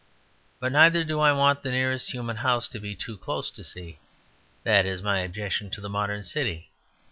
But neither do I want the nearest human house to be too close to see; that is my objection to the modern city.